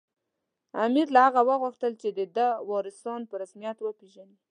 امیر له هغه وغوښتل چې د ده وارثان په رسمیت وپېژني.